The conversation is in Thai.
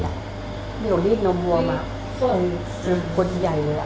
เดี๋ยวรีบนมหัวมาบนใหญ่เลย